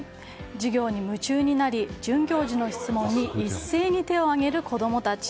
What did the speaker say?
授業に夢中になり准教授の質問に一斉に手を上げる子供たち。